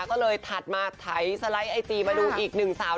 ก็เลยถัดมาไถสไลด์ไอจีมาดูอีกหนึ่งสาว